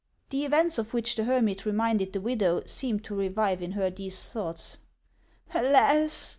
The events of which the hermit reminded the widow seemed to revive in her these thoughts. " Alas